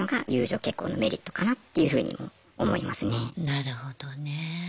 なるほどね。